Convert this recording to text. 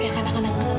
ya kan arman